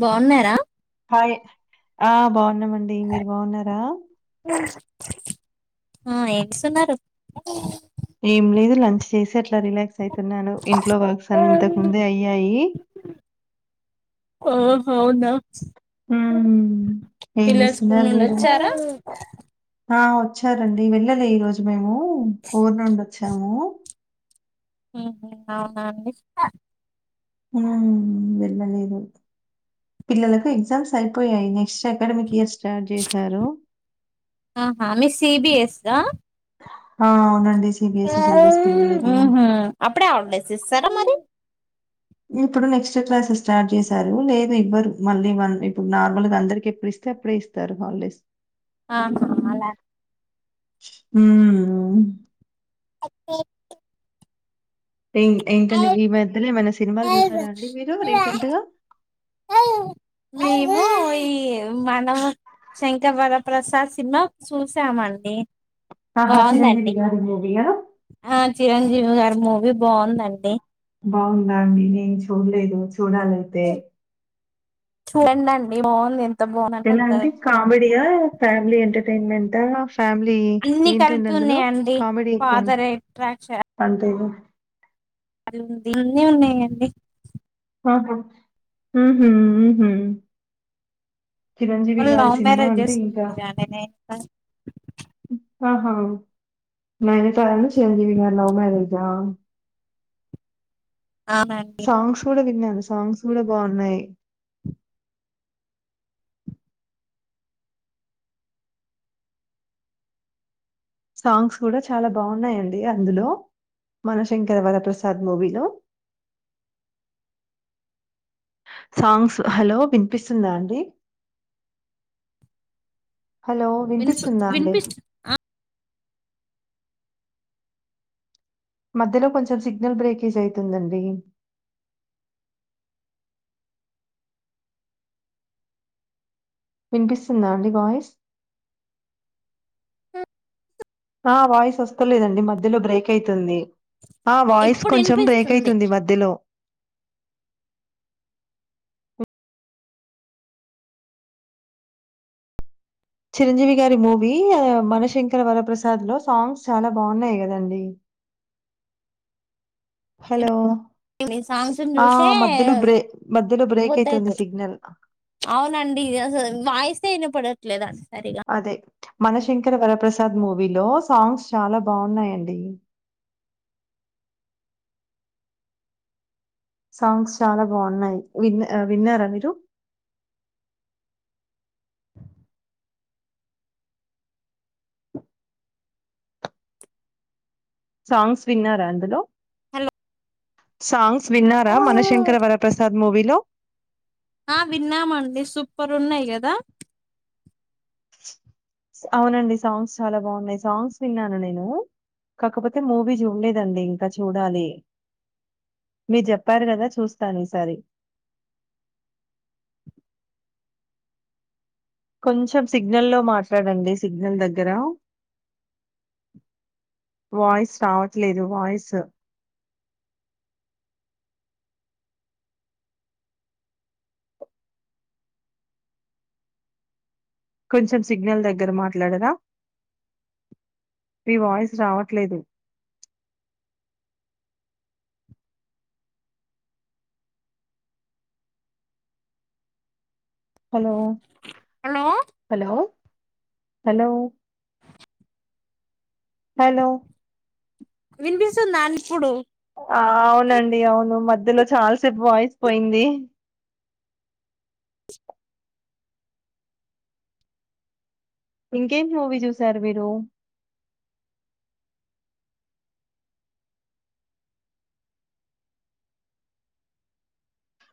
బావున్నారా ఆ బాగున్నాము అండి అండి మీరు బాగున్నారా ఎం చేస్తూన్నారు ఏం లేదు లంచ్ చేసి అట్లా రిలాక్స్ అయితున్నాను ఇంట్లో వర్క్స్ ఆ అన్ని ఇంతక ముందే అయ్యాయి. ఓహో అవునా హ్మ్ ఏం పిల్లలు స్కూల్ చేస్తున్నారు నుండి మీరు వచ్చారా వచ్చారండి. వెళ్ళలే ఈ రోజు మేము ఊరు నుండి వచ్చాము. ఉహు అవునా అండి. హ్మ్ వెళ్ళలేదు. పిల్లలకు ఎగ్జామ్స్ అయిపోయాయి. నెక్స్ట్ అకాడమిక్ ఇయర్స్ ఆహ మీ సిబిఎస్ గా అ అవునండి. సిబిఎస్ఈ సిలబస్ పిల్లలకి ఉహు అప్పుడే హాలిడేస్ ఇస్తారా అ మరి ఇప్పుడు నెక్స్ట్ క్లాసెస్ స్టార్ట్ చేసారు. లేదు ఇవ్వరు మళ్ళీ ఇప్పుడు నార్మల్గా అందరికి ఎప్పుడు ఇస్తే అప్పుడే ఇస్తారు. హాలిడేస్ ఆహా అలా హ్మ్ ఉ అే ఏ ఏంటండి. మీ మద్యలో ఏమైనా సినిమాలు చూసారా అండి మీరు రీసెంట్గా మేము ఈ మనం శంకరవర ప్ర్రసాద్ సినిమా చూసామండి. ఆహా బాగుందండి చిరంజీవి గారి మూవీ ఆ ఆ చిరంజీవి గారు మూవీ బాగుందండి. బాగుందా అండి నేను చూడలేదు. చూడాళి ఐతే చూడండండి. బాగుంది. ఎలా బాగుందంటే అంటే అంత కామెడియా ఫ్యామిలీ ఎంటర్ ఎంటర్టైన్మెంట్ ఆ ఫ్యామిలీ అన్ని ఏంటండి. అందులో కలుతున్నాయండి కామెడీ ఎక్కువ ఫాదర్ అంతేగా అ ఉంది అన్ని ఉన్నాయాండి. ఆహా హ్మ్ హ్మ్ వాళ్ళు లవ్ అంటే మ్యారేజ్ ఇంకా [unintelligible] ఆహ నైనాతారను చిరంజీవి గారు లవ్ మ్యారేజ్ ఆ అవునండి సాంగ్స్ కూడ విన్నాను. సాంగ్స్ కూడా బాగున్నాయి. సాంగ్స్ కూడా చాలా బాగున్నాయండి. అందులో మనశంకర వరప్రసాద్ మూవీలో సాంగ్స్ హలో వినిపిస్తుందా అండి. హలో విన్ వినిపిస్తుందా విన్ అండి. మధ్యలో కొంచెం సిగ్నల్ బ్రేకేజ్ అయితుందండి. వినిపిస్తుందా అండి వాయిస్ ఉ స ఆ వాయిస్ వస్తలేదండి మధ్యలో బ్రేక్ అయితుంది ఆ వాయిస్ ఇప్పుడు కొంచెం బ్రేక్ వినిపిస్తుంది అయితుంది మధ్యలో చిరంజీవి గారి మూవీ మనశంకర వరప్రసాద్ లో సాంగ్స్ చాలా బాగున్నాయి కదండి హలో మీ సాంగ్స్ని ఆ చూసే మధ్యలో బ్రే మధ్యలో బ్రేక్ అయితుంది వదువుతుంది సిగ్నల్. అవునండి వాయిస్తే వీనా పడ ట్ లేదా అదే మనశంకర వరప్రసాద్ మూవీలో సాంగ్స్ చాలా బాగున్నాయండి సాంగ్స్ చాలా బాగున్నాయి విన్ విన్నారా మీరు సాంగ్స్ విన్నారా అందులో హలో సంగ్ గ్స్ విన్నారా మనశంకర వరప్రసాద్ మూవీలో ఆ విన్నామండి సూపర్ ఉన్నాయి కదా అవునండి సాంగ్స్ చాలా బాగున్నాయి సాంగ్స్ విన్నాను నేను కాకపోతే మూవీ చూడలేదండి ఇంకా చూడాలి మీరు చెప్పారు కదా చూస్తాను ఈసారి కొంచెం సిగ్నల్ లో మాట్లాడండి సిగ్నల్ దగ్గర వాయిస్ రావట్లేదు వాయిస్ కొంచెం సిగ్నల్ దగ్గర మాట్లడరా మీ వాయిస్ రావట్లేదు hello hello hello hello hello వినిపిస్తుందా ఇప్పుడు ఆహ్ అవునండి అవును మధ్యలో చాలాసేపు వాయిస్ పోయింది ఇంకేం మూవీ చూసారు మీరు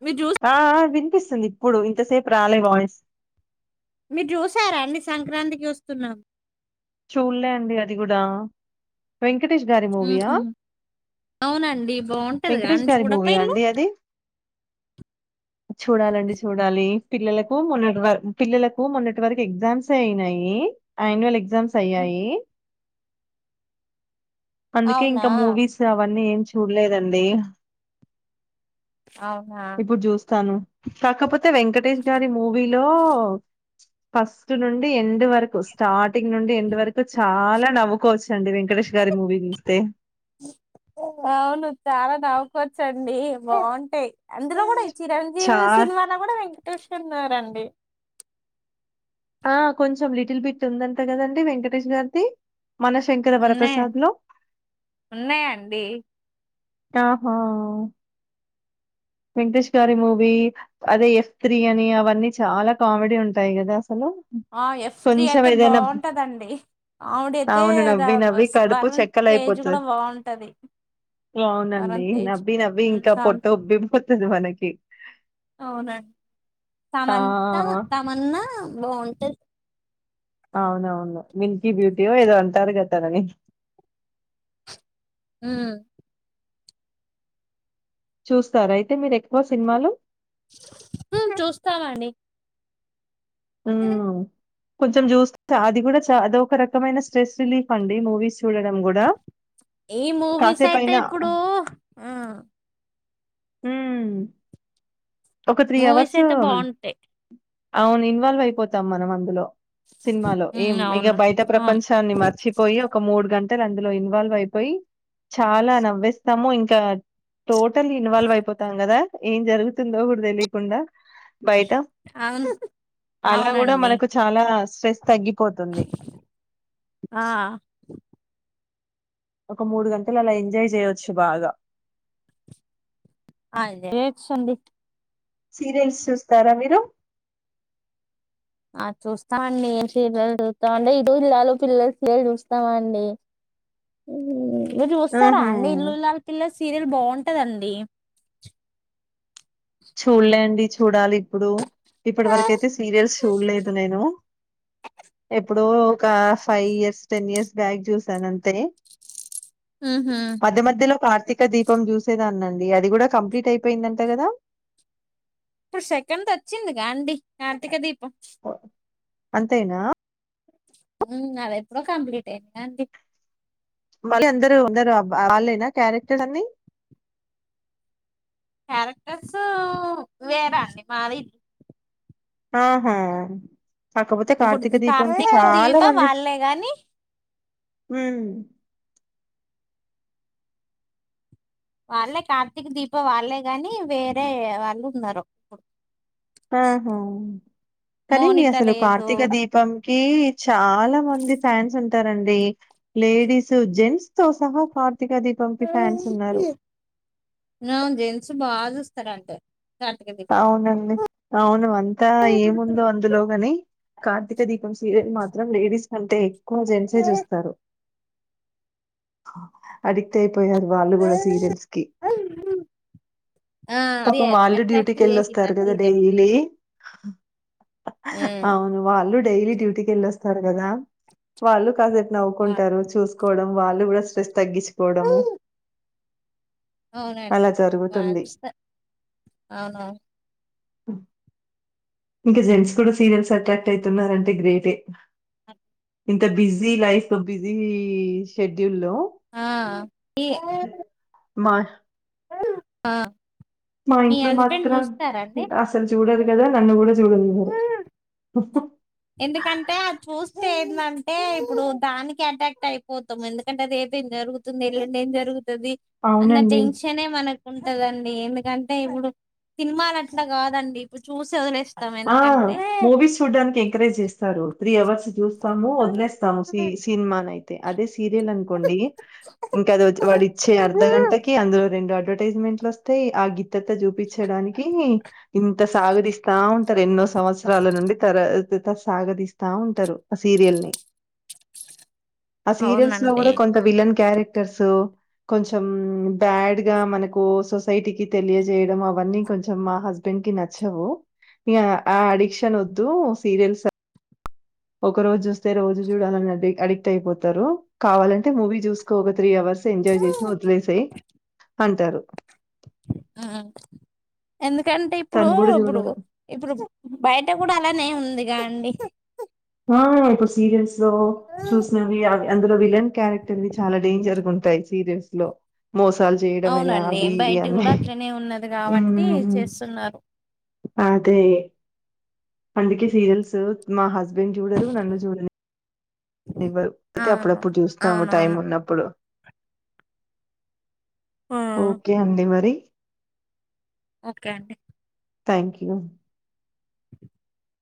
మీరు చూస్ ఆహ్ ఆహ్ వినిపిస్తుంది ఇప్పుడు ఇంతసేపు రాలే వాయిస్ [inaudible] మీరు జూసారా అండి సంక్రాంతికి వస్తున్నాం చూలేే అండి అది కూడా వెం ఊహు అవునండి బాగుంటది వెంకటేష్ గాని గారి మూవీయా చూడపోయిండ్లు అండి అది? చూడాలండి చూడాలి పిల్లలకు మొన్నటి వరకు పిల్లలకు మొన్నటి వరకు ఎగ్జామ్స్ అయినయి యాన్యువల్ ఎగ్జామ్స్ ఆ సయ్యాయి అందుకె అవునా ఇంక మూవీస్ అవన్నీ ఏం చూడలేదండి అవునా ఇప్పుడు జూస్తాను కాకపోతే వెంకటేష్ గారి మూవీలో ఫస్ట్ నుండి ఎండ్ వరకు స్టార్టింగ్ నుండి ఎండ్ వరకు చాలా నవ్వుకోవచ్చండి వెంక్ వెంకటేష్ గారి మూవీ జూస్తే అవును చాలా నవవుకోవచ్చండి బాగుంటయి అందులో గూ చా చిరంజీవి సినిమాలో కూడా వెంకటేష్ ఉన్నారండి ఆ కొంచెం లిటిల్బిట్ ఉందట కదండి వెంకటేష్ గారిది మన శంకర ఉన్నాయి వరప్రసాద్ లో ఉన్నాయండి ఆహా వెంకటేష్ గారి మూవీ అదే ఎఫ్ త్రీ అని అవన్నీ చాలా కామెడీ ఉంటాయి గదా ఆ ఎఫ్ త్రీ అయితే బాగుంటదండి ఆవిడ అయితే అవును నవ్వి నవ్వి కడుపు వరుణ్ తేజ్ కూడా చెక్కలైపోతది బాగుంటది అవునండి వరుణ్ తేజ్ నవ్వి నవ్వి ఉమ్, ఇంకా పొట్ట సమ- ఉబ్బిపోతది మనకి ఆ తమంతా తమన్నా బావున్ ఎ [inaudible] అవునవును మిల్కీ బ్యూటీయో ఏదో అంటారుగా తనని ఉమ చూస్తార అయితే మీరు ఎ ఉ చూస్తానండి ఉ కొంచెం జూస్త్ అది గుడ చ అదోకరకమైన స్ట్రెస్ రిలీఫ్ అండి మూవీస్ చూడడం గుడా ఈ మూవీస్ అయితే ఇప్పుడూ ఉ ఒక త్రి మూవీస్ అవర్స్ అయితే బాగుంటాయి అవును ఇన్వాల్వ్ అయిపోతాం మనం అందులో సిన్మాలో ఏం హ్మ్. ఇక అవును. బయట అవును. ప్రపంచాన్ని మర్చిపోయి ఒక మూడు గంట అందరందులో ఇన్వాల్వ్ అయిపోయ్ చాలా నవ్వేస్తము ఇంకా టోటల్ ఇన్వాల్వ్ అయిపోతాం గదా ఏం జరుగుత్ తుందో గుడ దెలికుండా బయిట అవును. అలా గుడా అవునండి. మనకు చాలా స్ట్రెస్ తగ్గిపోతుంది. ఆ ఒక మూడు గంటల్ అలా ఎంజాయ్ జేయొచ్చు బాగా [unintelligible] సీరియల్స్ చూస్తారా మీరు ఆ చూస్తమండి ఏం సీరియల్ చూస్తమంటే ఇల్లు ఇల్లాలు పిల్లల సీరియల్ చూస్తమండి మీర్ ఆహా జూస్తరాండి ఇల్లు ఇల్లాలు పిల్లలు సీరియల్ బాంటది టదండి చూడ్లే అండి చూడాలి ఇప్పుడు ఎప్పటివరకైతే సీరియల్స్ చుడ్లేదు నేను ఇప్పుడో ఒక five years ten years back చూసానంతే హుహు. మధ్య మధ్యలో కా కార్తీక దీపం చూసేదాన్నండి అది గుడ కంప్లీట్ అయిపోయిందంట కదా ఇప్పుడు సెకండ్ వచ్చిందిగాండి కార్తీక దీపం అంతేనా ఉమ్ అదెప్పుడో కంప్లీట్ అయింది గండి మళ్ళీ అందరూ ఉన్నారబ్ వాళ్ళేనా క్యారెక్టర్ అన్ని క్యారెక్టర్స్ వేరాండి మాది ఆహా కాకపోతే ఇప్పుడు కార్తీకదీపంకి కార్తీక చాలా దీప మంది వాళ్ళే గాని హుమ్ వాళ్లే కార్తీక్ దీప వాళ్ళే గాని వేరే వాళ్లు ఉన్నరు ఆహా కనీ మోనిత అసలు లేదు కార్తిక దీపం కీ చాలా మంది ఫ్యాన్స్ ఉంటారండి లేడీస్ జెంట్స్ తో సహా దీపం'కి ఫ్యాన్స్ ఉన్నారు. ఉ జెంట్స్ బా జుస్ స్తరంట అవునండి అవును అంతా ఏముందో అందులోగని కార్తిక దీపం సీరియల్ మాత్రం లేడీస్ కంటే జెన్సే చూస్తారు. అదితే పోయారు వాళ్ళు కూడా సీరియల్స్ కీ ఆ అది పాపం వాళ్ళు డ్యూట్ అట్రాక్ట్ చేసింది ఆ వెల్లొస్తారు కదా సీరియల్ డైలీ అవును వాళ్ళు డైలీ డ్యూటీకేల్లొస్తరు కదా వాళ్ళు కాసెపు నవ్వుకుంటారు చూసుకోవడం వాళ్ళు కూడా స్ట్రెస్ తగ్గిచ్చుకోడము అవునండి వాలుస్త అవునవును ఇంకా జెంట్స్ కూడా సీరియల్స్ అట్రాక్ట్ అయితున్నారంటే, గ్రేటే ఇంత బిజీ లైఫ్ లో బిజీ షెడ్యూల్. ఆ ఈ మా ఆ మా మీ ఇంట్లో హస్బెండ్ మాత్రం చూస్తారండి అసలు చూడరు కదా నన్ను కూడా చూడనివ్వరు ఎందుకంటే చూస్ ఏందంటే ఇప్పుడు దానికి అటాక్ట్ అయిపోతాము. ఎందుకంటే రేపు ఏం జరుగుతుంది. ఎల్లుండి ఏం జరుగుతు ది అన్న అవునండి. టెన్షన్ మనకు ఉంటదండి ఎందుకంటే ఇప్పుడు సినిమాలు అట్లా కాదండి ఇప్పుడు చూసి వదిలే ఆ మూవీస్ చూడ్డనికి ఎంకరేజ్ చేస్తారు త్రీ అవర్స్ చూ స్తాము వదిలేస్తాము సి సినిమా ఆయితే అదే సీరియల్ అనుకోండి ఇంకది వాడు ఇచ్చే అర్ధగంటకి అందులో రెండు అడ్వర్టైజ్మెంట్లు వస్తాయి ఆ గిత్తత్త చూపించడానికి ఇంత సాగదీస్తా ఉ తా ఎన్నో సంవత్సరాల నుండి తర త సాగదిస్తా ఉంటారు ఆ సీరియల్ ని ఆ సీరియల్స్ లో అవునండి కూడా కొంత విలన్ క్యారెక్ క్టర్స్ కొంచం బ్యాడ్ గా మనకు సొసైటీకి తెలియజెయాడ్మ్ వన్నీ కొంచెమ హస్బె హస్బెండ్ కీ నచ్చవు ఆ అడిక్షన్ వద్దు సీరియల్స్ ఒక రోజు చూస్తే రోజు చూడాలని అ అడిక్ట్ అయిపోతారు కావాలంటే మూవీ చూసుకో ఒక త్రీ అవర్స్ ఎంజాయ్ చేసి వదిలే సెయి అంటారు ఆ ఎందుక టే ఇప్పుడు తను గూడా ఇప్పుడు జూడదు. ఇప్పుడు బయట కూడా అలానే ఉందిగా అండి ఆ ఇప్పుడు సీరియల్స్ లో చూసివి ఏవ్ అందులో విలన్ క్యారెక్టర్వి చాలా డేంజర్గుం టాయి సీరియల్స్ లో మోసాలు చేయడం ఇలా అవునండి అవి ఇవి బయట అన్నీ కూడా అట్లనే ఉన్నది ఊ కాబట్టి ఊ ఉమ్ చేస్తున్నారు అ దే అందుకే సీరియల్స్ మా హస్బెండ్ చూడరు నన్ను చూడని [inaudible] అయితే అవును అప్పుడప్పుడు చూస్తాము టైం అవునవును ఉన్నప్పుడు ఆ, ఓకే అండి మరి ఓకే అండి థ్యాంక్ యూ